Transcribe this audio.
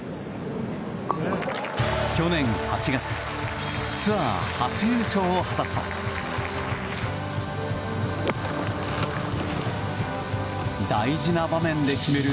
去年８月ツアー初優勝を果たすと大事な場面で決める